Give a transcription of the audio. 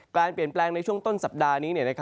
การเปลี่ยนแปลงในช่วงต้นสัปดาห์นี้